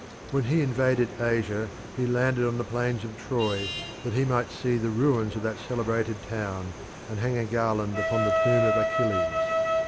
When he invaded Asia he landed on the plains of Troy, that he might see the ruins of that celebrated town and hang a garland upon the tomb of Achilles.